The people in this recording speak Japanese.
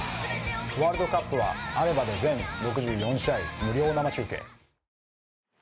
ワールドカップはＡＢＥＭＡで全６４試合無料生中継。